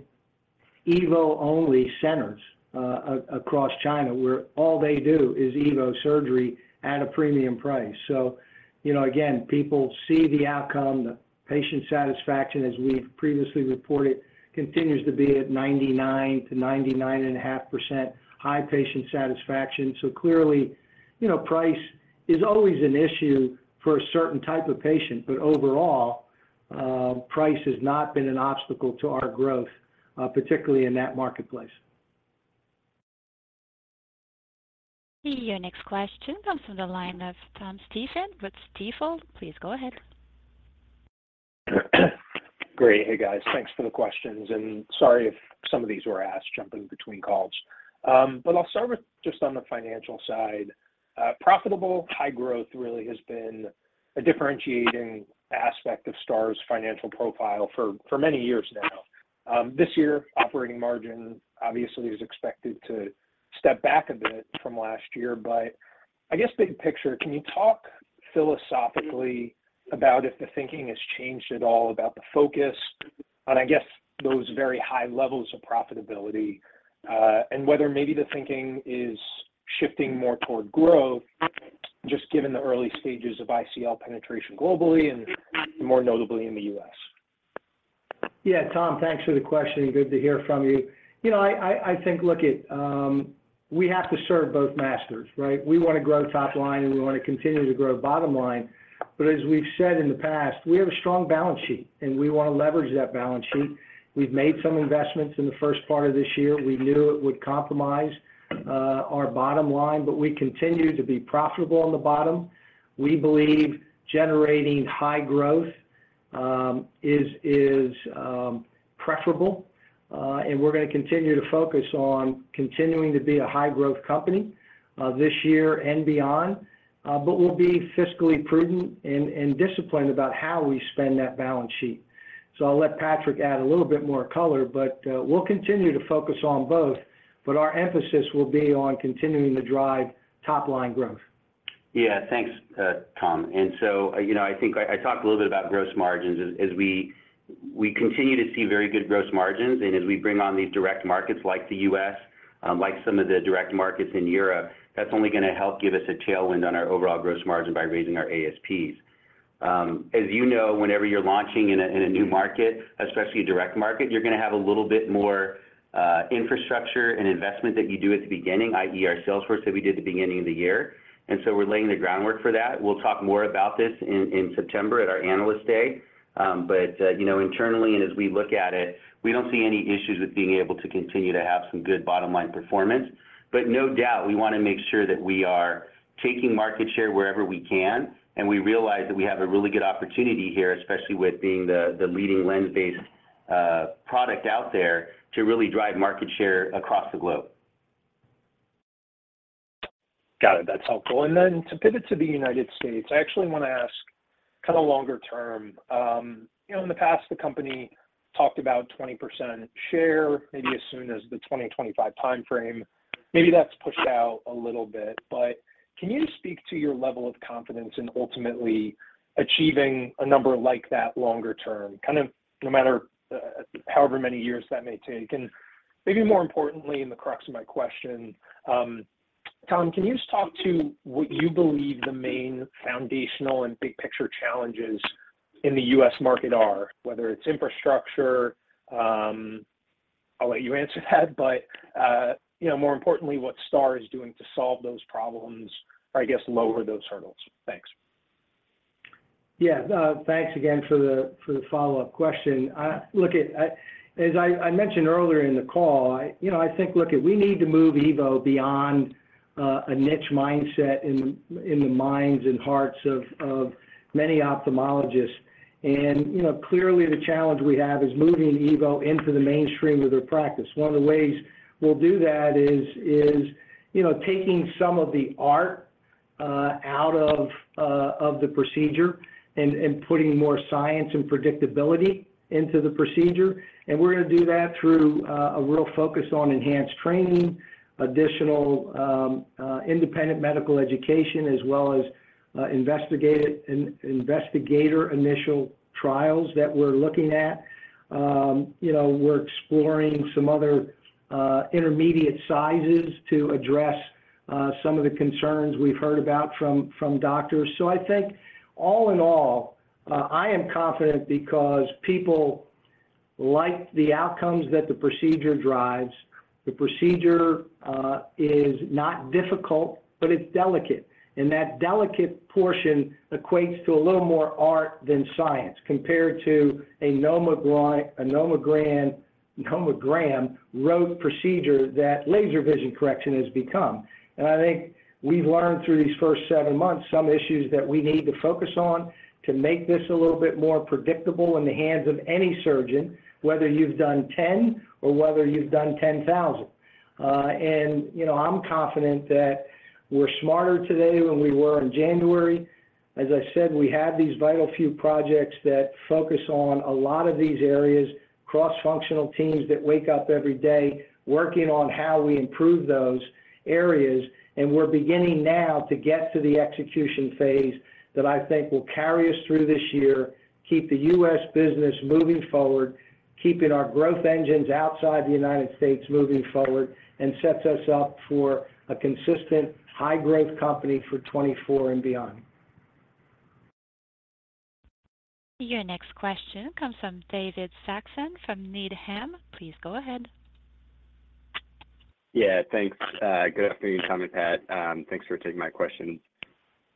EVO-only centers across China, where all they do is EVO surgery at a premium price. You know, again, people see the outcome, the patient satisfaction, as we've previously reported, continues to be at 99%-99.5% high patient satisfaction. Clearly, you know, price is always an issue for a certain type of patient, but overall, price has not been an obstacle to our growth, particularly in that marketplace. Your next question comes from the line of Tom Stephan with Stifel. Please go ahead. Great. Hey, guys, thanks for the questions, and sorry if some of these were asked, jumping between calls. I'll start with just on the financial side. Profitable high growth really has been a differentiating aspect of STAAR's financial profile for, for many years now. This year, operating margin obviously is expected to step back a bit from last year. I guess big picture, can you talk philosophically about if the thinking has changed at all, about the focus on, I guess, those very high levels of profitability, and whether maybe the thinking is shifting more toward growth, just given the early stages of ICL penetration globally and more notably in the U.S.? Yeah, Tom, thanks for the question, and good to hear from you. You know, I think, look it, we have to serve both masters, right? We want to grow top line, and we want to continue to grow bottom line. As we've said in the past, we have a strong balance sheet, and we want to leverage that balance sheet. We've made some investments in the first part of this year. We knew it would compromise our bottom line, but we continue to be profitable on the bottom. We believe generating high growth is, is preferable, and we're going to continue to focus on continuing to be a high growth company this year and beyond. We'll be fiscally prudent and, and disciplined about how we spend that balance sheet. I'll let Patrick add a little bit more color, but we'll continue to focus on both, but our emphasis will be on continuing to drive top line growth. Yeah. Thanks, Tom. You know, I think I, I talked a little bit about gross margins. As we continue to see very good gross margins, and as we bring on these direct markets like the U.S., like some of the direct markets in Europe, that's only going to help give us a tailwind on our overall gross margin by raising our ASPs. As you know, whenever you're launching in a, in a new market, especially a direct market, you're going to have a little bit more infrastructure and investment that you do at the beginning, i.e., our sales force that we did at the beginning of the year, and so we're laying the groundwork for that. We'll talk more about this in September at our Analyst Day. You know, internally and as we look at it, we don't see any issues with being able to continue to have some good bottom-line performance. No doubt, we want to make sure that we are taking market share wherever we can, and we realize that we have a really good opportunity here, especially with being the, the leading lens-based product out there, to really drive market share across the globe. Got it. That's helpful. Then to pivot to the United States, I actually want to ask kind of longer term. You know, in the past, the company talked about 20% share, maybe as soon as the 2025 time frame. Maybe that's pushed out a little bit, but can you just speak to your level of confidence in ultimately achieving a number like that longer term? Kind of no matter, however many years that may take. Maybe more importantly, in the crux of my question, Tom, can you just talk to what you believe the main foundational and big picture challenges in the U.S. market are, whether it's infrastructure, I'll let you answer that, but, you know, more importantly, what STAAR is doing to solve those problems or I guess lower those hurdles? Thanks. Yeah. thanks again for the follow-up question. look, it, as I mentioned earlier in the call, you know, I think, look it, we need to move EVO beyond a niche mindset in the minds and hearts of many ophthalmologists. you know, clearly the challenge we have is moving EVO into the mainstream of their practice. One of the ways we'll do that is, you know, taking some of the art out of the procedure and putting more science and predictability into the procedure. We're going to do that through a real focus on enhanced training, additional independent medical education, as well as investigator initial trials that we're looking at. You know, we're exploring some other intermediate sizes to address some of the concerns we've heard about from doctors. I think all in all, I am confident because people like the outcomes that the procedure drives. The procedure is not difficult, but it's delicate, and that delicate portion equates to a little more art than science compared to a nomogram [rote] procedure that laser vision correction has become. I think we've learned through these first seven months, some issues that we need to focus on to make this a little bit more predictable in the hands of any surgeon, whether you've done 10 or whether you've done 10,000. You know, I'm confident that we're smarter today than we were in January. As I said, we have these vital few projects that focus on a lot of these areas, cross-functional teams that wake up every day working on how we improve those areas. We're beginning now to get to the execution phase that I think will carry us through this year, keep the U.S. business moving forward, keeping our growth engines outside the United States moving forward, and sets us up for a consistent high growth company for 2024 and beyond. Your next question comes from David Saxon from Needham. Please go ahead. Yeah, thanks. Good afternoon, Tom and Pat. Thanks for taking my questions.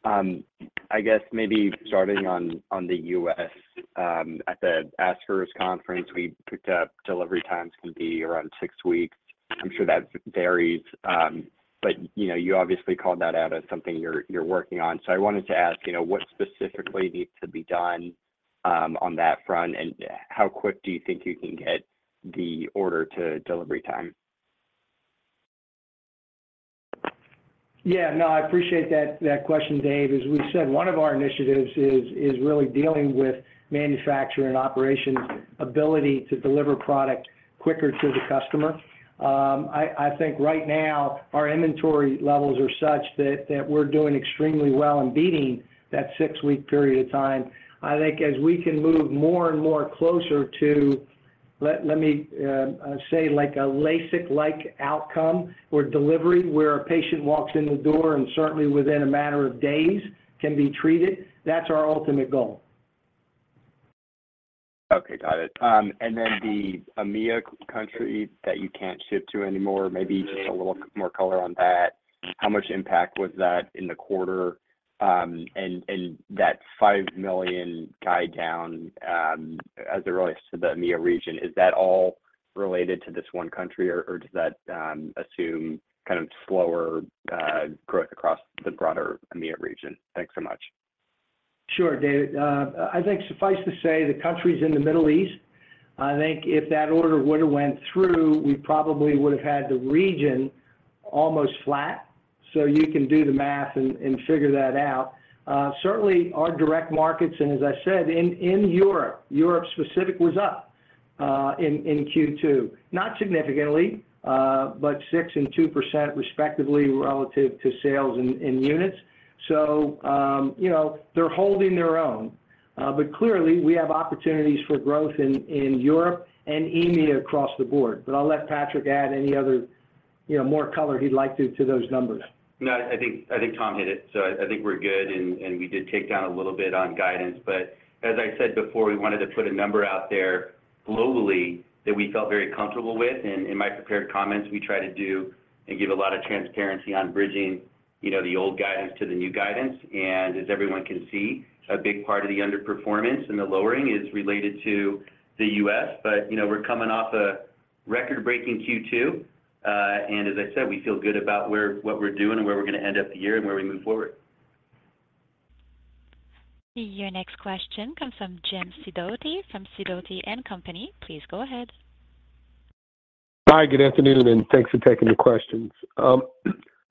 I guess maybe starting on, on the U.S., at the ASCRS conference, we picked up delivery times can be around six weeks. I'm sure that varies, but, you know, you obviously called that out as something you're, you're working on. I wanted to ask, you know, what specifically needs to be done on that front, and how quick do you think you can get the order to delivery time? Yeah, no, I appreciate that, that question, Dave. As we've said, one of our initiatives is, is really dealing with manufacturer and operations ability to deliver product quicker to the customer. I, I think right now, our inventory levels are such that, that we're doing extremely well in beating that six-week period of time. I think as we can move more and more closer to, let, let me say like a LASIK-like outcome for delivery, where a patient walks in the door, and certainly within a matter of days can be treated, that's our ultimate goal. Okay, got it. Then the EMEA country that you can't ship to anymore, maybe just a little more color on that. How much impact was that in the quarter? And that $5 million guide down, as it relates to the EMEA region, is that all related to this one country, or does that assume kind of slower growth across the broader EMEA region? Thanks so much. Sure, David. I think suffice to say, the country's in the Middle East. I think if that order would've went through, we probably would have had the region almost flat. You can do the math and, and figure that out. Certainly, our direct markets, and as I said, in, in Europe, Europe specific was up in Q2. Not significantly, but 6% and 2% respectively, relative to sales in, in units. You know, they're holding their own, but clearly we have opportunities for growth in, in Europe and EMEA across the board. I'll let Patrick add any other, you know, more color he'd like to, to those numbers. No, I think, I think Tom hit it, so I think we're good, and, and we did take down a little bit on guidance. As I said before, we wanted to put a number out there globally that we felt very comfortable with. In my prepared comments, we try to do and give a lot of transparency on bridging, you know, the old guidance to the new guidance. As everyone can see, a big part of the underperformance and the lowering is related to the U.S. You know, we're coming off a record-breaking Q2, and as I said, we feel good about where what we're doing and where we're gonna end up the year and where we move forward. Your next question comes from Jim Sidoti, from Sidoti & Company. Please go ahead. Hi, good afternoon, and thanks for taking the questions.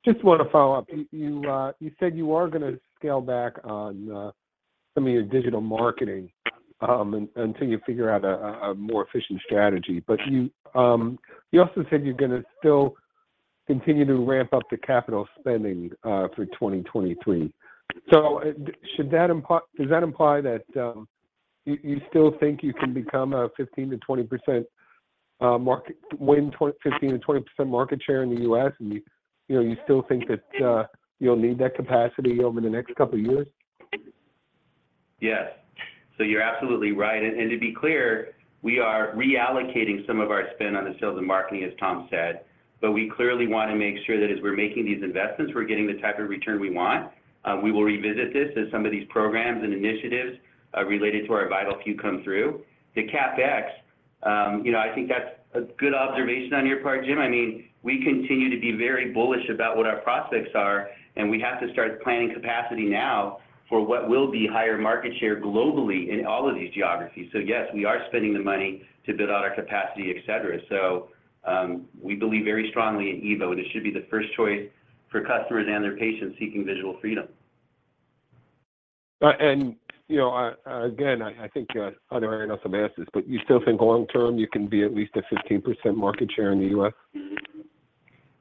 Just want to follow up. You, you said you are gonna scale back on some of your digital marketing until you figure out a more efficient strategy. You, you also said you're gonna still continue to ramp up the capital spending through 2023. Does that imply that you, you still think you can win 15%-20% market share in the U.S., and you, you know, you still think that you'll need that capacity over the next couple of years? Yes. You're absolutely right. To be clear, we are reallocating some of our spend on the sales and marketing, as Tom said. We clearly want to make sure that as we're making these investments, we're getting the type of return we want. We will revisit this as some of these programs and initiatives related to our Vital Few come through. The CapEx, you know, I think that's a good observation on your part, Jim. I mean, we continue to be very bullish about what our prospects are, and we have to start planning capacity now for what will be higher market share globally in all of these geographies. Yes, we are spending the money to build out our capacity, et cetera. We believe very strongly in EVO, and it should be the first choice for customers and their patients seeking visual freedom. You know, again, I, I think, other analysts will ask this, but you still think long term, you can be at least a 15% market share in the U.S.?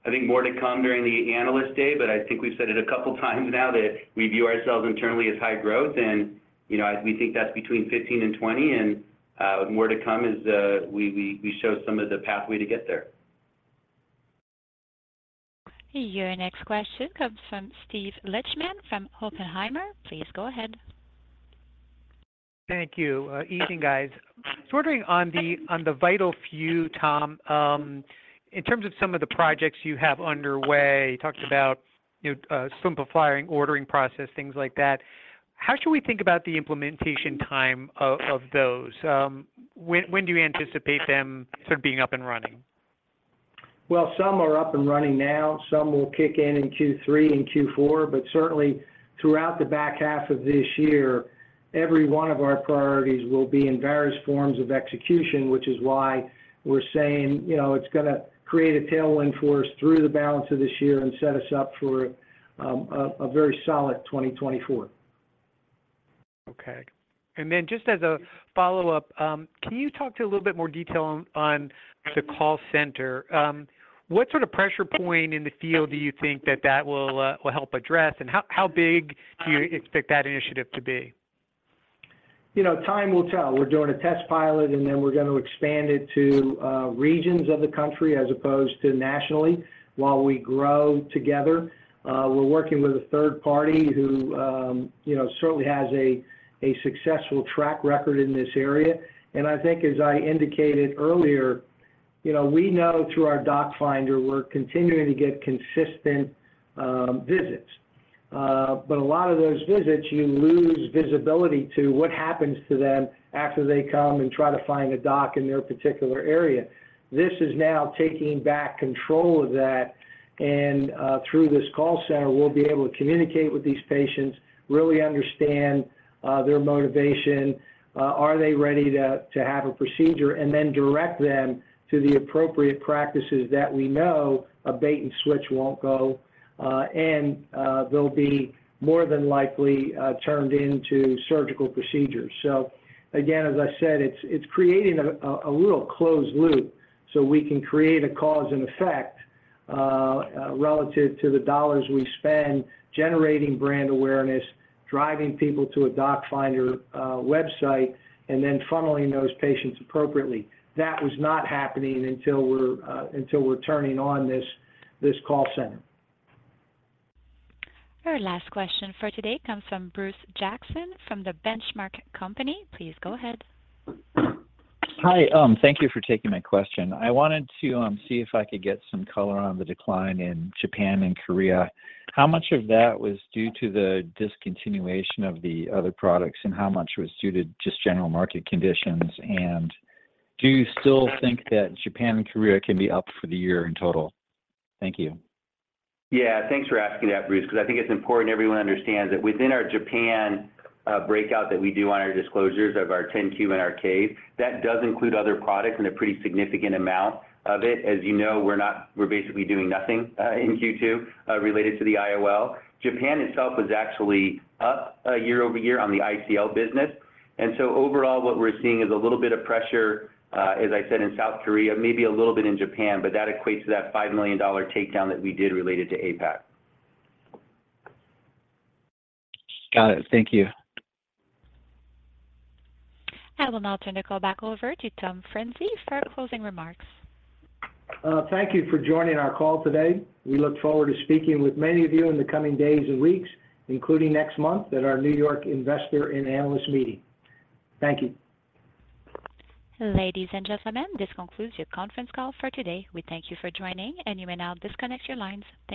I think more to come during the Analyst Day, but I think we've said it a couple of times now that we view ourselves internally as high growth. And, you know, as we think that's between 15% and 20%, and more to come as we show some of the pathway to get there. Your next question comes from Steve Lichtman from Oppenheimer. Please go ahead. Thank you. Evening, guys. Ordering on the, on the Vital Few, Tom, in terms of some of the projects you have underway, you talked about, you know, simplifying, ordering process, things like that. How should we think about the implementation time of, of those? When, when do you anticipate them sort of being up and running? Well, some are up and running now. Some will kick in in Q3 and Q4, but certainly, throughout the back half of this year, every one of our priorities will be in various forms of execution, which is why we're saying, you know, it's gonna create a tailwind for us through the balance of this year and set us up for a very solid 2024. Okay. Then just as a follow-up, can you talk to a little bit more detail on, on the call center? What sort of pressure point in the field do you think that that will help address, and how, how big do you expect that initiative to be? You know, time will tell. We're doing a test pilot, and then we're gonna expand it to regions of the country as opposed to nationally, while we grow together. We're working with a third party who, you know, certainly has a successful track record in this area. I think as I indicated earlier, you know, we know through our Doc Finder, we're continuing to get consistent visits. A lot of those visits, you lose visibility to what happens to them after they come and try to find a doc in their particular area. This is now taking back control of that, and through this call center, we'll be able to communicate with these patients, really understand their motivation. Are they ready to have a procedure? Then direct them to the appropriate practices that we know a bait and switch won't go, and they'll be more than likely turned into surgical procedures. Again, as I said, it's, it's creating a little closed loop so we can create a cause and effect relative to the dollars we spend generating brand awareness, driving people to a doc finder website, and then funneling those patients appropriately. That was not happening until we're until we're turning on this, this call center. Our last question for today comes from Bruce Jackson from The Benchmark Company. Please go ahead. Hi, thank you for taking my question. I wanted to see if I could get some color on the decline in Japan and Korea. How much of that was due to the discontinuation of the other products, and how much was due to just general market conditions? Do you still think that Japan and Korea can be up for the year in total? Thank you. Yeah, thanks for asking that, Bruce, because I think it's important everyone understands that within our Japan, breakout that we do on our disclosures of our 10-Q and our K, that does include other products and a pretty significant amount of it. As you know, we're basically doing nothing, in Q2, related to the IOL. Japan itself was actually up, year-over-year on the ICL business. Overall, what we're seeing is a little bit of pressure, as I said, in South Korea, maybe a little bit in Japan, but that equates to that $5 million takedown that we did related to APAC. Got it. Thank you. I will now turn the call back over to Tom Frinzi for closing remarks. Thank you for joining our call today. We look forward to speaking with many of you in the coming days and weeks, including next month at our New York Investor and Analyst Meeting. Thank you. Ladies and gentlemen, this concludes your conference call for today. We thank you for joining. You may now disconnect your lines.